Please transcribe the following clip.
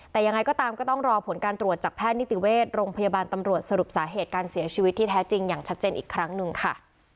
แต่ยังไงก็ตามก็ต้องรอผลการตรวจจากแพทย์นิติเวชโรงพยาบาลตำรวจสรุปสาเหตุการเสียชีวิตที่แท้จริงอย่างชัดเจนอีกครั้งหนึ่งค่ะ